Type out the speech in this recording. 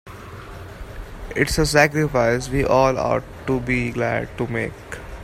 It's a sacrifice we all ought to be glad to make.